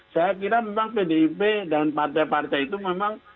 saya kira memang pdip dan partai partai itu memang